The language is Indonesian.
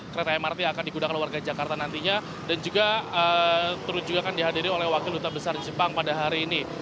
kereta mrt yang akan digunakan oleh warga jakarta nantinya dan juga terujukan dihadiri oleh wakil utam besar jepang pada hari ini